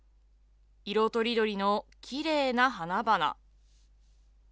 色とりどりのきれいな花々。